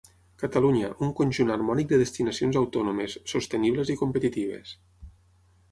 Catalunya, un conjunt harmònic de destinacions autònomes, sostenibles i competitives.